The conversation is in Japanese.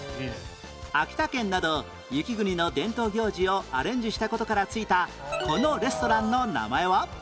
秋田県など雪国の伝統行事をアレンジした事から付いたこのレストランの名前は？